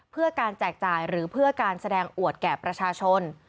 เพื่อการแจกจ่ายหรือเพื่อการแสดงอวดแก่ประชาชน